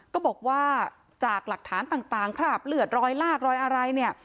ก็บอกว่าจากหลักฐานต่างคราบเลือดรอยลากรอยอะไรเนี่ย